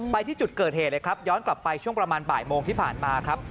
ไปที่จุดเกิดเหตุเลยครับย้อนกลับไปช่วงประมาณบ่ายโมงที่ผ่านมาครับ